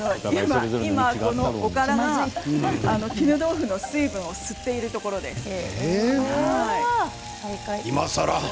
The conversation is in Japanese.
おからが絹豆腐の水分を吸っているところですね。